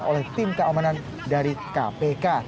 oleh tim keamanan dari kpk